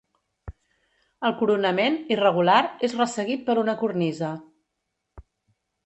El coronament, irregular, és resseguit per una cornisa.